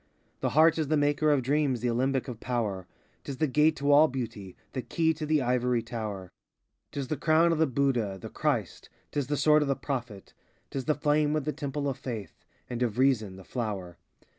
The heart is the maker of dreams, the alembic of power: *T is the gate to all beauty, the key to the ivory tower; 89 'T is the crown of the Budha, the Christ, 't is the sword of the Prophet; 'T the flame in the temple of faith, and of reason, the flower.